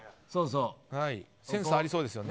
センスありそうですよね。